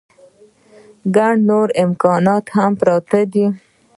ګڼ نور امکانات هم پراته دي.